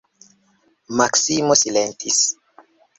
Maksimo silentis.